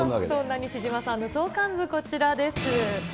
そんな西島さんの相関図、こちらです。